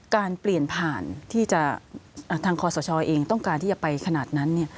การเปลี่ยนผ่านที่จะทางคอสชเองต้องการที่จะไปขนาดนั้น